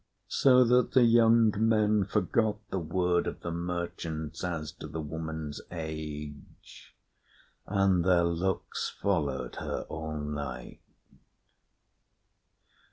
So that the young men forgot the word of the merchants as to the woman's age, and their looks followed her all night.